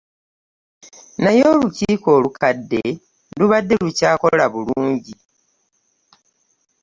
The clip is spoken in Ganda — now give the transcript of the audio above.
Naye olukiiko olukadde lubadde lukyakola bulungi.